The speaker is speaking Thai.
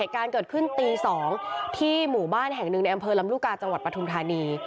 การเกิดขึ้นตี๒ที่หมู่บ้านแห่งหนึ่งในอำเภอลำลูกกาจังหวัดปทุมธานี